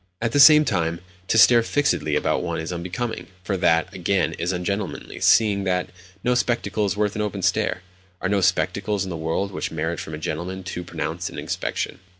At the same time, to stare fixedly about one is unbecoming; for that, again, is ungentlemanly, seeing that no spectacle is worth an open stare—are no spectacles in the world which merit from a gentleman too pronounced an inspection.